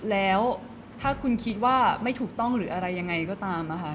แล้วถ้าคุณคิดว่าไม่ถูกต้องหรืออะไรยังไงก็ตาม